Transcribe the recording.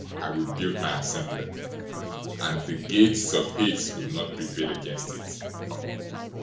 } I will build my assembly, and the gates of Hades{or, Hell} will not prevail against it.